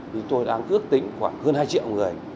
chúng tôi đang ước tính khoảng hơn hai triệu người